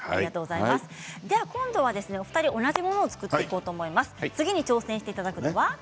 今度はお二人、同じものを作っていただきます。